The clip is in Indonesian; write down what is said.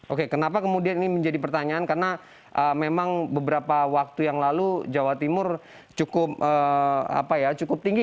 oke kenapa kemudian ini menjadi pertanyaan karena memang beberapa waktu yang lalu jawa timur cukup tinggi